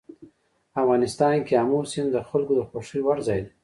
افغانستان کې آمو سیند د خلکو د خوښې وړ ځای دی.